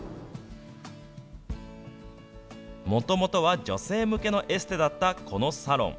もともとは女性向けのエステだったこのサロン。